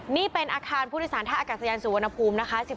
นี่เป็นอาคารผู้โดยสารท่าอากาศยานสุวรรณภูมินะคะ